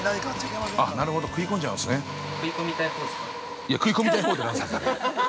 ◆いや、食い込みたいほうって何ですか。